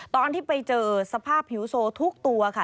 ตอนที่ไปเจอสภาพผิวโซทุกตัวค่ะ